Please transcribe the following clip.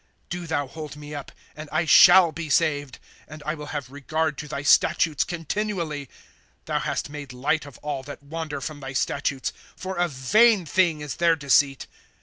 ' Do thou hold me up, and I shall be saved ; And I will have regard to thy statutes continually. * Thou hast made light of all that wander from thy statutes ; For a vain thing is their deceit.